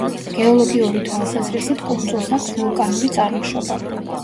გეოლოგიური თვალსაზრისით, კუნძულს აქვს ვულკანური წარმოშობა.